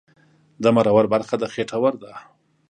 د مرور برخه د خېټور ده